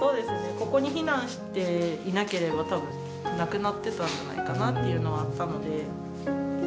ここに避難していなければ、たぶん亡くなってたんじゃないかなっていうのはあったので。